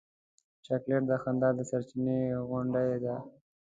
چاکلېټ د خندا د سرچېنې غوندې دی.